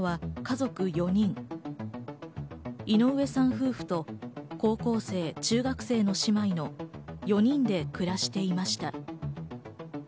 夫婦と高校生、中学生の姉妹の４人で暮らしていました。